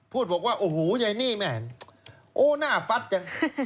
พูดบอกว่าโอ้โหยายนี่แม่โอ้หน้าฟัดจัง